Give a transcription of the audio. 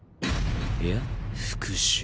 いや復讐。